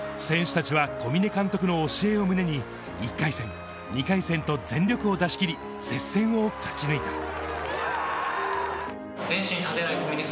選手たちは小嶺監督の教えを胸に１回戦、２回戦と全力を出し切り、接戦を勝ち抜いた。